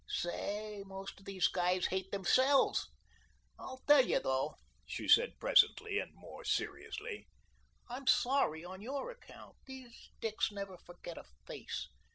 Say, most of these guys hate themselves. I tell you, though," she said presently and more seriously, "I'm sorry on your account. These dicks never forget a face.